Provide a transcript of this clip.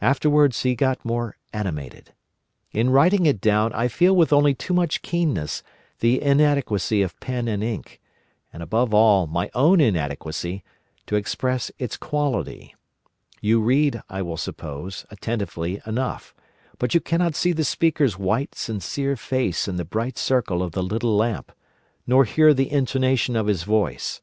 Afterwards he got more animated. In writing it down I feel with only too much keenness the inadequacy of pen and ink—and, above all, my own inadequacy—to express its quality. You read, I will suppose, attentively enough; but you cannot see the speaker's white, sincere face in the bright circle of the little lamp, nor hear the intonation of his voice.